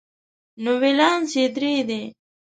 نو ولانس یې درې دی.